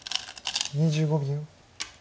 ２５秒。